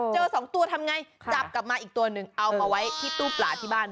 สองตัวทำไงจับกลับมาอีกตัวหนึ่งเอามาไว้ที่ตู้ปลาที่บ้าน